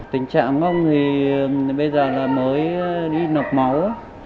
tình trạng ông thì bây giờ là mới đi nọc máu